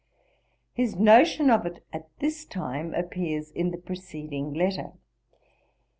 His notion of it at this time appears in the preceding letter.